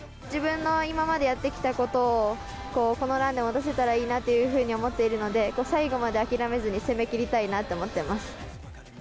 自分の今までやってきたことを、このランでも出せたらいいなというふうに思っているので、最後まで諦めずに攻めきりたいなと思ってます。